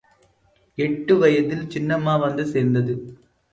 எட்டு வயதில் சின்னம்மா வந்து சேர்ந்தது.